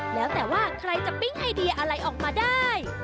แล้วแต่ว่าใครจะปิ้งไอเดียอะไรออกมาได้